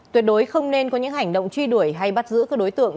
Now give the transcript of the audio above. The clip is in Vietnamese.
tuyệt đối không nên có những hành động truy đuổi hay bắt giữ các đối tượng